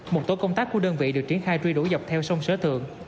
một tổ công tác của đơn vị được triển khai truy đuổi dọc theo sông sở thượng